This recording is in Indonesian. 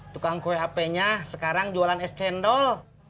tukang kue ap nya sekarang jualan es cendol